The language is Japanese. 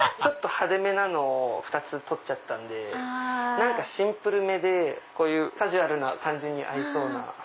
派手めなのを２つ取っちゃったんでシンプルめでこういうカジュアルな感じに合いそうな。